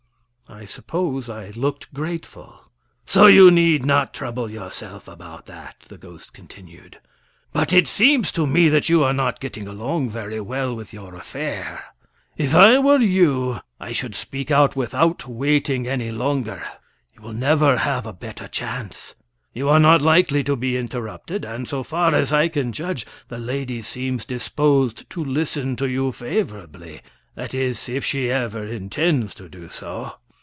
I suppose I looked grateful. "So you need not trouble yourself about that," the ghost continued; "but it seems to me that you are not getting along very well with your affair. If I were you, I should speak out without waiting any longer. You will never have a better chance. You are not likely to be interrupted; and, so far as I can judge, the lady seems disposed to listen to you favorably; that is, if she ever intends to do so.